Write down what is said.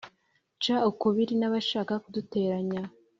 Nca ukubiri n'abashaka kuduteranya